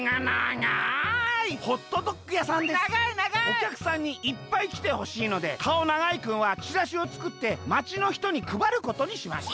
「おきゃくさんにいっぱいきてほしいのでかおながいくんはチラシをつくってまちのひとにくばることにしました」。